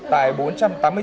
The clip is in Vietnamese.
tại hà nội